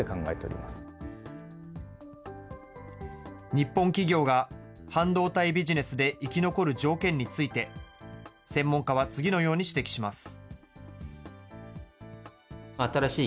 日本企業が半導体ビジネスで生き残る条件について、専門家は次のように指摘します。